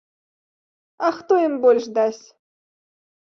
А хто ім больш дасць?